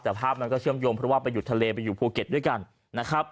แต่ภาพมันก็เชื่อมโยงเพราะว่าไปอยู่ทะเลไปอยู่ภูเก็ตด้วยกันนะครับ